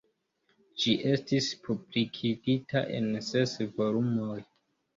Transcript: Ĝi estis publikigita en ses volumoj.